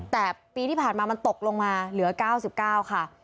แต่ปีที่ผ่านมามันตกลงมาเหลือ๙๙ค่ะ